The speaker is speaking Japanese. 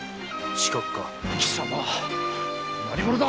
貴様何者だ！